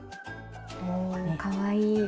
おかわいい！